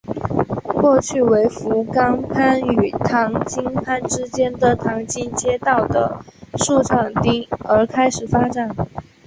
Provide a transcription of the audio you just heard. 过去为福冈藩与唐津藩之间的唐津街道的宿场町而开始发展。